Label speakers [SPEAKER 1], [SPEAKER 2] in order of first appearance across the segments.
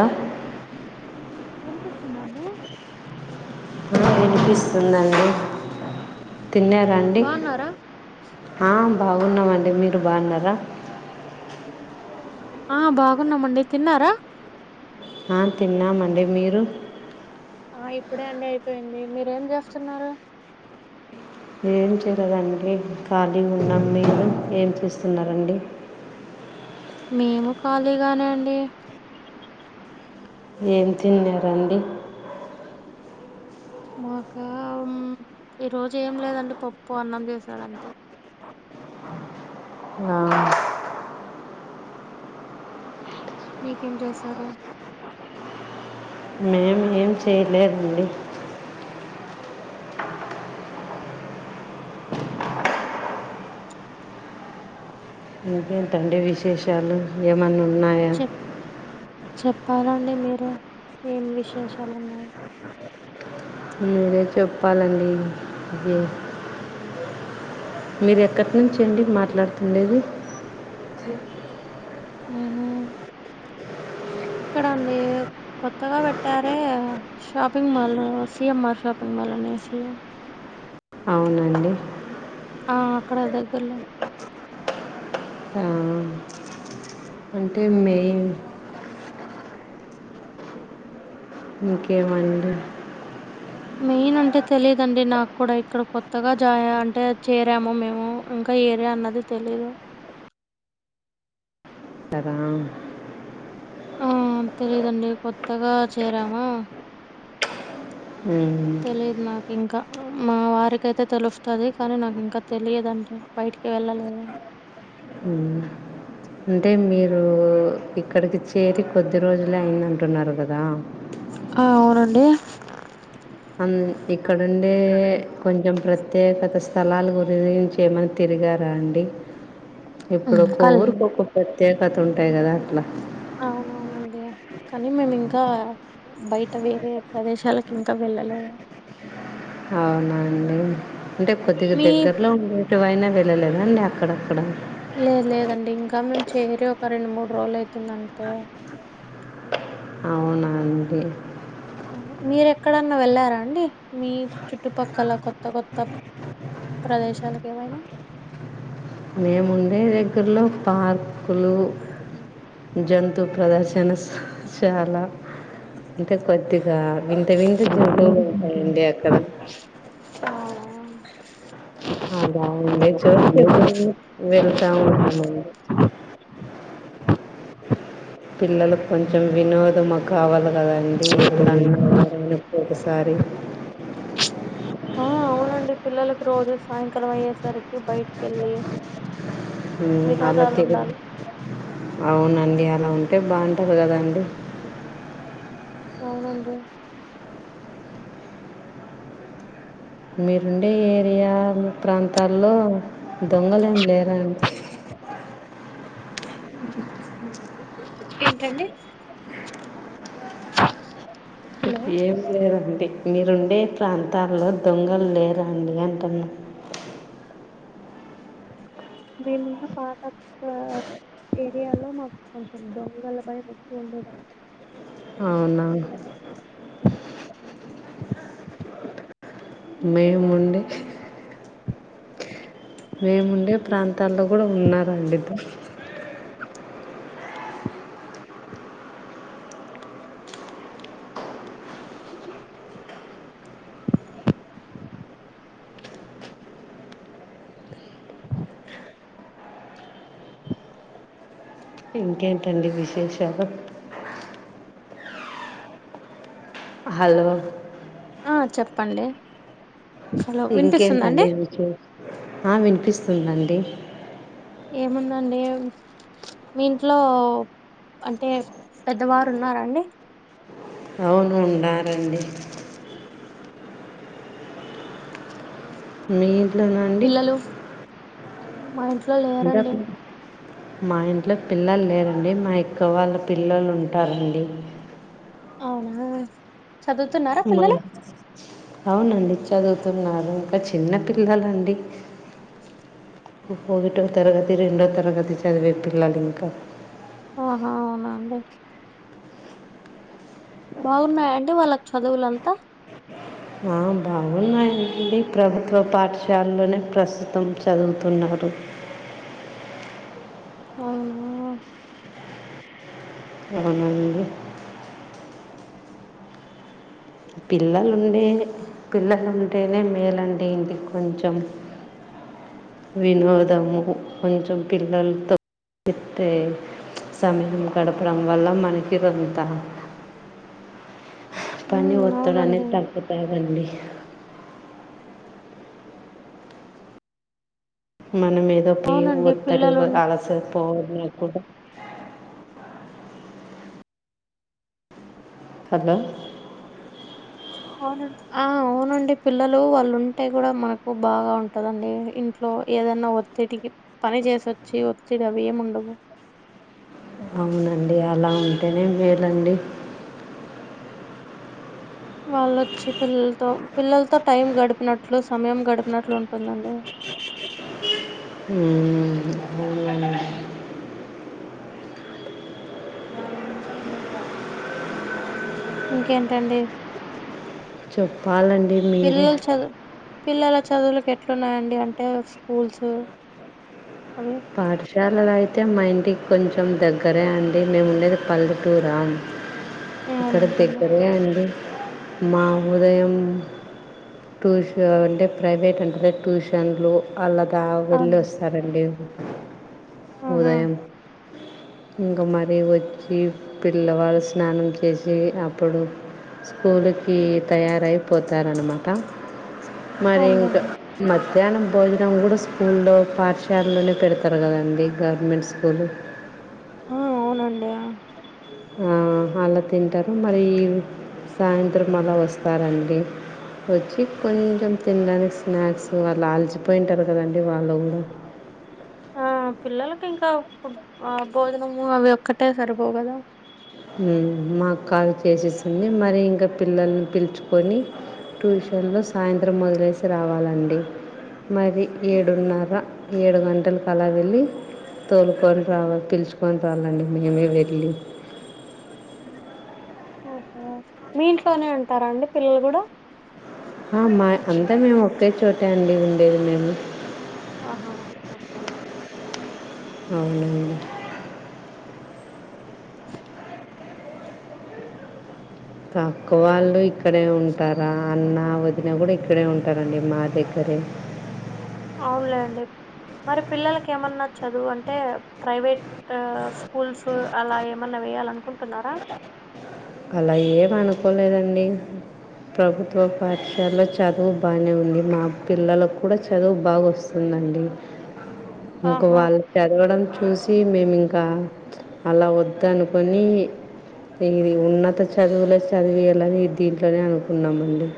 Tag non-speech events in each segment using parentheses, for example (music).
[SPEAKER 1] Hello వినిపిస్తుందండి.
[SPEAKER 2] వినిపిస్తుందండి తిన్యారాండి.
[SPEAKER 1] బాగున్నారా
[SPEAKER 2] ఆ బాగున్నామండి మీరు బాన్నారా
[SPEAKER 1] ఆ బాగున్నామండి తిన్నారా.
[SPEAKER 2] ఆ తిన్నామండి మీరు
[SPEAKER 1] ఆ ఇప్పుడే అండి అయిపెంది మీరేంజేస్తున్నారు.
[SPEAKER 2] ఏం చేయలేదండి కలిగున్నం మీరు ఏం చేస్తున్నారండి.
[SPEAKER 1] మేము కళీగానే అండి.
[SPEAKER 2] ఏం తిన్నారండి
[SPEAKER 1] మాకా ఉమ్మ్ ఈరోజు ఏం లేదండి పప్పు అన్నం చేసారు అంతే
[SPEAKER 2] ఆ
[SPEAKER 1] మీకేం జేశారు
[SPEAKER 2] మే ఏం చేయలేదండి ఇంకేంటండి విశేషాలు ఏమన్నా ఉన్నాయా
[SPEAKER 1] చెప్ చెప్పాలండి మీరే ఏం విశేషాలు ఉన్నాయి
[SPEAKER 2] మీరే చెప్పాలండి గీ మీరు ఎక్కట్నుంచి అండి మాట్లాడుతుండేది
[SPEAKER 1] నేను ఇక్కడండి కొత్తగా పెట్టారే shopping mall CMR shopping mall అనేసి
[SPEAKER 2] అవునండి
[SPEAKER 1] ఆ అక్కడ దగ్గర్లో
[SPEAKER 2] ఆహ్ అంటే మే ఇంకేమండి
[SPEAKER 1] మెయిన్ అంటే తెలిదండి నాక్కూడా ఇక్కడ కొత్తగా జాయ అంటే చేరాము మేము ఇంకా ఏరియా అన్నది తెలీదు
[SPEAKER 2] టరా
[SPEAKER 1] తెలిదండి కొత్తగా చేరామా
[SPEAKER 2] ఉమ్
[SPEAKER 1] తెలిదు నాకింకా మా వారికైతే తెలుస్తాది కానీ నాకు ఇంకా తెలియదండి బయటికి వెళ్ళలేదా
[SPEAKER 2] ఉమ్మ్ అంటే మీరు ఇక్కడికి చేరి కొద్ది రోజులే అయిందంటున్నారు కదా
[SPEAKER 1] ఆ అవునండి
[SPEAKER 2] అం
[SPEAKER 1] అన్ని
[SPEAKER 2] ఇక్కడుండే
[SPEAKER 1] ఇక్కడుండే
[SPEAKER 2] కొంచెం ప్ర త్యేకత స్థలాల గురించి ఏమన తిరిగారా అండి ఇప్పుడు
[SPEAKER 1] హ్మ్.
[SPEAKER 2] ఒక్కో ఊరికి
[SPEAKER 1] ఖాళీయే.
[SPEAKER 2] ఒకొక్క ప్రత్యేకత ఉంటాయి కదా అట్లా
[SPEAKER 1] అవునవునండి కానీ మేం ఇంకా బయట వేరే ప్రదేశాలకి ఇంకా వెళ్ళలేద
[SPEAKER 2] అవునా అండి అంటే కొద్దిగా
[SPEAKER 1] మీ
[SPEAKER 2] దగ్గర్లో ఉండే టివైనా వెళ్ళలేదాండి అక్కడక్కడ
[SPEAKER 1] లేదు లేదండి ఇంకా మేము చేరి ఒక రెండు మూడు రోజులు అయితుంది అంతే
[SPEAKER 2] అవునా అండి
[SPEAKER 1] మీరు ఎక్కడన్నా వెళ్లారా అండి మీ చుట్టుపక్కల కొత్త కొత్త ప్రదేశాలకు ఏమైనా
[SPEAKER 2] మేముండే దగ్గర్లో పార్కులు జంతు ప్రదర్శనశాల అంటే కొద్దిగా వింత వింత జంతువులు ఉంటాయండి అక్కడ
[SPEAKER 1] అవునా
[SPEAKER 2] అలా ఉండే చోటుకి ఎప్పుడన్నా వెళ్తా ఉంటామండి పిల్లలకు కొంచెం వినోదము కావాల కదండి ఎప్పుడన్నా వారంలో ఒకసారి
[SPEAKER 1] ఆ అవునండి పిల్లలకి రోజు సాయంకాలం అయ్యేసరికి బయటికి వెళ్ళి
[SPEAKER 2] ఉమ్ అలా
[SPEAKER 1] వినోదాలు
[SPEAKER 2] తిరుదు
[SPEAKER 1] ఉండాలి
[SPEAKER 2] అవునండి అలా ఉంటే బాగుంటది కదండి
[SPEAKER 1] అవునండి
[SPEAKER 2] మీరుండే ఏరియా ప్రాంతాల్లో దొంగలెమ్ లేరా అండి
[SPEAKER 1] (inaudible) ఏంటండి హలో
[SPEAKER 2] ఏం లేదండి మీరుండే ప్రాంతాల్లో దొంగలు లేరా అండి అంటన్నా
[SPEAKER 1] మేమున్న పాతఓ ఏరియాలో మాకు కొంచెం దొంగల భయం ఎక్కువ ఉండేదండీ ఇడ
[SPEAKER 2] అవునా
[SPEAKER 1] చుట్టుపక్కన
[SPEAKER 2] మేముండె మేముండే ప్రాంతాల్లో కూడా ఉన్నారండి దొం ఇంకేంటండి విశేషాలు హాలో
[SPEAKER 1] ఆ చెప్పండి హలో
[SPEAKER 2] ఇంకేంటండి
[SPEAKER 1] వినిపిస్తుందండి
[SPEAKER 2] విశేషా ఆ వినిపిస్తుందండి
[SPEAKER 1] ఏముందండి ఏం మీ ఇంట్లో అంటే పెద్దవారు ఉన్నారా అండి
[SPEAKER 2] అవును ఉన్నారండి మీ ఇంట్లోనా అండి
[SPEAKER 1] పిల్లలు మా ఇంట్లో లే
[SPEAKER 2] ఇంకా పి మా ఇంట్లో పిల్లలు లేరండి మా యక్క వాళ్ళ పిల్లలు ఉంటారండి
[SPEAKER 1] అవునా చదువుతున్నారా పిల్లలు
[SPEAKER 2] అవును అండి చదువుతున్నారు ఇంకా చిన్న పిల్లలు అండి ఒకటో తరగతి రెండో తరగతి చదివే పీల్లలు ఇంకా
[SPEAKER 1] ఆహా అవునా అండి బాగున్నాయ అండి వాళ్ళకి చదువులంతా
[SPEAKER 2] బాగున్నాయ అండి ప్రభుత్వ పాఠశాలలోనే ప్రస్తుతం చదువుతున్నారు
[SPEAKER 1] అవునా
[SPEAKER 2] అవున్ అండి పిల్లలుండే పిల్లలు ఉంటేనే మేలు అండి ఇంటికి కొంచెం వినోదము కొంచెం పిల్లలు చెట్టే సమయం గడపడం వల్ల మనకి కొంత పని
[SPEAKER 1] ఉమ్
[SPEAKER 2] ఒత్తిడి
[SPEAKER 1] అవునండి
[SPEAKER 2] అనేది తాగుతాది అండి మనం ఏదో పేగు
[SPEAKER 1] అవునండి
[SPEAKER 2] కోత్తరు
[SPEAKER 1] పిల్లలు ఉన్-
[SPEAKER 2] అలస పోవడం కూడా హలో
[SPEAKER 1] అవునండి ఆ అవును అండి పిల్లలు వాళ్ళు ఉంటే కూడా మనకు బాగా ఉంటది అండి ఇంట్లో ఏదైనా తిటికి పని చేసొచ్చి వచ్చి ఒత్తిడి అవి ఏం ఉండవు
[SPEAKER 2] అవును అండి అలా ఉంటేనే మేలు అండి
[SPEAKER 1] వాళ్ళొచ్చి పిల్లలతో పిల్లలతో టైం గడిపినట్లు సమయం గడిపినట్లు ఉంటుంది అండి
[SPEAKER 2] ఉహుబల్ల
[SPEAKER 1] ఇంకేంటండి
[SPEAKER 2] చెప్పాలండి మీరే
[SPEAKER 1] పిల్లలు చదువు పిల్లల చదువులకు ఎట్ల ఉన్నాయండి అంటే స్కూల్స్ అవి
[SPEAKER 2] పాఠశాలలయితే మా ఇంటికి కొంచెం దగ్గరే అండి మేము ఉండేది పల్లెటూరా అని ఇక్కడ
[SPEAKER 1] అవునండి
[SPEAKER 2] దగ్గరే అండి మా ఉరే ఏ మ్ ట్యూషన్ అంటే ప్రైవేట్ ఉంటాది ట్యూషన్లు అలాదా వెళ్ళి
[SPEAKER 1] అవును
[SPEAKER 2] వస్తారు అండి
[SPEAKER 1] ఆహా
[SPEAKER 2] ఉదయం ఇంకా మరీ వచ్చి పిల్లవాళ్ళు స్నానం చేసి అప్పుడు స్కూలుకి తయారైపోతారు అనమాట మరి ఇంకా
[SPEAKER 1] అవునులేండి
[SPEAKER 2] మధ్యాహ్నం భోజనం కూడా స్కూల్లో పాఠశాలలోనే పెడతారు కదండి గవర్నమెంట్ స్కూలు
[SPEAKER 1] ఆ అవును అండి
[SPEAKER 2] ఆ అలా తింటారు మళ్ళీ సాయంత్రం అలా వస్తారు అండి వచ్చి కొంచెం తినడానికి స్నాక్స్ వాళ్ళు ఆలిసిపోయి ఉంటారు కదా అండి వాళ్ళు కూడా
[SPEAKER 1] ఆ పిల్లలకి ఇంకా ఫుడ్ ఆ భోజనము అవి ఒక్కటే సరిపోవుగదా
[SPEAKER 2] హ్మ్ మా కాల్ చేసేసింది మరి ఇంకా పిల్లల్ని పిలుచుకొని ట్యూషన్లో సాయంత్రం వొదిలేసి రావాలి అండి మరి ఏడున్నర ఏడు గంటలకు అలా వెళ్ళి తోలుకొని రావాలి పిలుసుకొని రావాలి అండి మేమే వెళ్ళి
[SPEAKER 1] ఓహో మీ ఇంట్లోనే ఉంటారా అండి పిల్లలు కూడా
[SPEAKER 2] మా అంతా మేము ఒకే చోటే అండి ఉండేది మేము
[SPEAKER 1] ఆహా ఓకే
[SPEAKER 2] అవును అండి తక్కువ అండి ఇక్కడే ఉంటారా అన్న వదిన కూడా ఇక్కడే ఉంటారు అండి మా దగ్గరే
[SPEAKER 1] అవునులే అండి మరి పిల్లలకి ఏమన్నా చదువు అంటే ప్రైవేట్ ఆ స్కూల్స్ అలా ఏమన్నా వేయ్యాల అనుకుంటున్నారా
[SPEAKER 2] అలా ఏం అనుకోలేదండి ప్రభుత్వ పాఠశాలలో చదువు బానే ఉంది మా పిల్లలకు కూడా చదువు బా వస్తుం దండి ఇంకా
[SPEAKER 1] ఆహా
[SPEAKER 2] వాళ్ళు చదవడం చూసి మేమింకా అలా వద్ద అనుకని ఇది ఉన్నత చదువులే చదివీయాలని దీంట్లోనే అనుకున్నామండి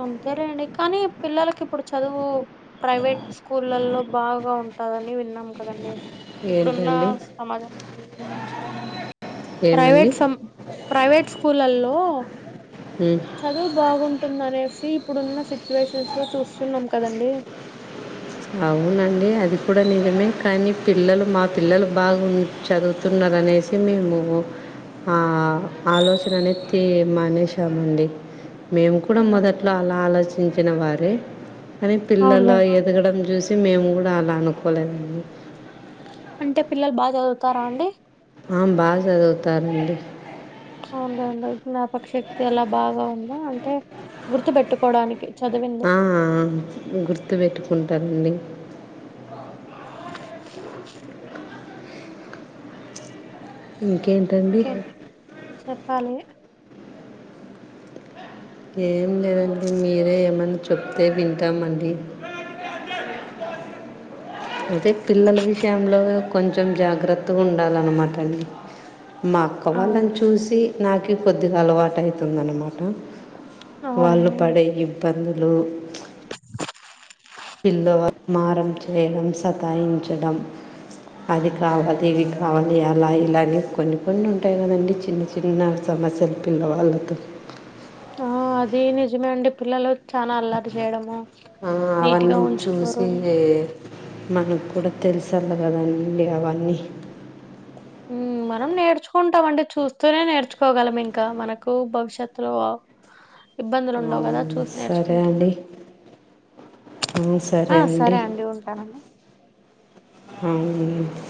[SPEAKER 1] అంతేలేండి కానీ పిల్లలకి ఇప్పుడు చదువు ప్రైవేట్ స్కూళ్ళలో బాగా ఉంటందని విన్నాం కదండి ఇప్పుడున్న
[SPEAKER 2] ఏంటండి
[SPEAKER 1] సమాజం
[SPEAKER 2] ఏమండి
[SPEAKER 1] ప్రైవేట్ సం ప్రైవేట్ స్కూలల్లో
[SPEAKER 2] హ
[SPEAKER 1] చదువు బాగుంటుంది అనేసి ఇప్పుడున్న సిచ్యువేషన్స్ లో చూస్తున్నాం కదండి
[SPEAKER 2] అవునండి అది కూడా నిజమే కానీ పిల్లలు మా పిల్లలు బాగుం చదువుతున్నరనేసి మేము ఆ ఆలోచన (unintelligible) మానేసామండి మేము కూడా మొదట్లో అలా ఆలోచించిన వారే కానీ పిల్లల
[SPEAKER 1] అవునులే
[SPEAKER 2] ఏద ఎదగడం చూసి మేము కూడా అలా అనుకోలేదండి
[SPEAKER 1] అంటే పిల్లలు బాగా చదువుతారా అండి
[SPEAKER 2] ఆ బాగా చదువుతారండి
[SPEAKER 1] అవునండి జ్ఞాపక శక్తి అలా బాగా ఉందా అంటే గుర్తు పెెట్టుకోవడానికి
[SPEAKER 2] ఆ గుర్తుపెట్టుకుంటారండి ఇంకేంట
[SPEAKER 1] ఇంకే చెప్పాలి
[SPEAKER 2] ఏం లేదండి మీరే ఏమన్నా చెప్తే వింటామండి అదే పిల్లల విషయంలో కొంచెం జాగ్రత్తగా ఉండాలన్నమాట అండి మా అక్క వాళ్ళని
[SPEAKER 1] అవును
[SPEAKER 2] చూసి నాకి కొద్దిగా అలవాటు అవుతుందన్నమాట
[SPEAKER 1] అవునా
[SPEAKER 2] వాళ్ళు పడే ఇబ్బందులు పిల్లవా మారం చేయడం సతాయించడం అది కావాలి ఇవి కావాలి అలా ఇలానే కొన్ని కొన్ని ఉంటాయి కదండి చిన్న చిన్న సమస్యలు పిల్లవాళ్లతో
[SPEAKER 1] ఆ అది నిజమే అండి పిల్లలు చనా అల్లారు చేయడము
[SPEAKER 2] ఆ,
[SPEAKER 1] నీట్గా
[SPEAKER 2] అవన్నీ చూసి
[SPEAKER 1] ఉంచుకోరు
[SPEAKER 2] మనకు కూడా తెలుసు అంట కదనిండి అవన్నీ
[SPEAKER 1] ఊ మనం నేర్చుకుంటాం అండి చూస్తూనే నేర్చుకోగలం ఇంకా మనకు భవిష్యత్లో
[SPEAKER 2] అవును సరే
[SPEAKER 1] నేర్చుకుంటే.
[SPEAKER 2] అండి ఊ సరే అండి అవు